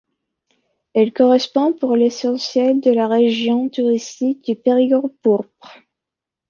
Elle correspond pour l'essentiel à la région touristique du Périgord pourpre.